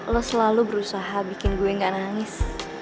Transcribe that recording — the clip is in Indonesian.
lo selalu berusaha bikin gue gak nangis